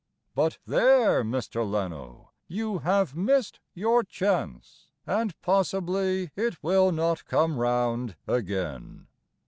But there, Mr. Leno, You have missed your chance, And possibly it will not come round again.